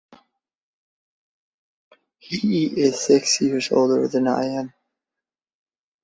He is six years older than I am.